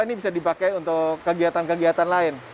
ini bisa dipakai untuk kegiatan kegiatan lain